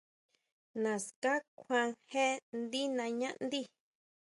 ¿Naská kjuan jé ndí nañáʼndí?